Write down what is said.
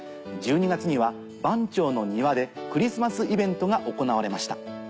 １２月には番町の庭でクリスマスイベントが行われました。